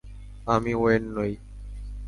আমি ওয়েন নই।